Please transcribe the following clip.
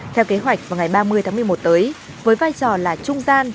theo kế hoạch vào ngày ba mươi tháng một mươi một tới với vai trò là trung gian